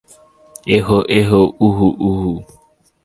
এহ, এহ, উহ।